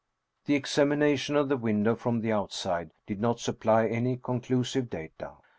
The examination of the window from the outside did not supply any conclusive data.